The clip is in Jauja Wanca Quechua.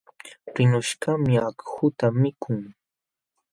Rinqushkaqmi akhuta mikun.